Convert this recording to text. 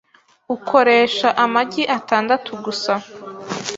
ukoresha amagi atandatu gusa